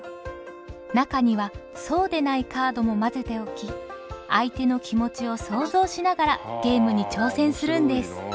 中にはそうでないカードも交ぜておき相手の気持ちを想像しながらゲームに挑戦するんです。